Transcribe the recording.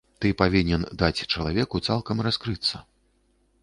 Ты павінен даць чалавеку цалкам раскрыцца.